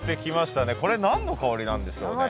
これ何の香りなんでしょうね？